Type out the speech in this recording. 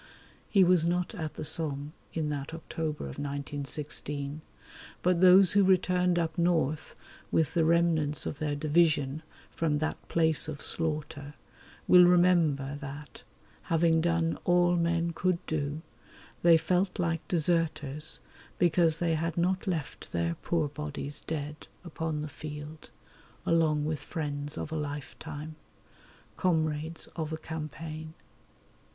He was not at the Somme in that October of 1916, but those who returned up north with the remnants of their division from that place of slaughter will remember that, having done all men could do, they felt like deserters because they had not left their poor bodies dead upon the field along with friends of a lifetime, comrades of a campaign.